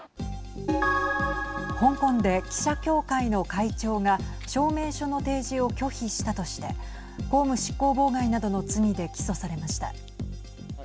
香港で記者協会の会長が証明書の提示を拒否したとして公務執行妨害などの罪で起訴されました。